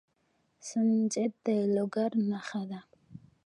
سنجد د لوګر نښه ده.